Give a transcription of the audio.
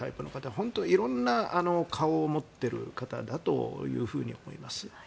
本当にいろいろな顔を持っている方だと思います。